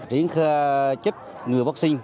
triển khai chức ngừa vaccine